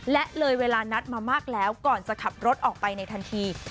และเลยเวลานัดมามากแล้วก่อนจะขับรถออกไปในทันที